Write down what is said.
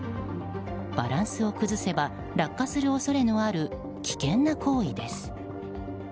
バランスを崩せば落下する恐れのある危険な行為です。